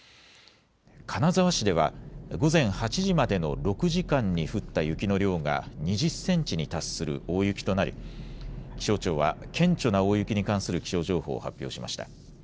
金沢市では午前８時までの６時間に降った雪の量が２０センチに達する大雪となり気象庁は顕著な大雪に関する気象情報を発表しました。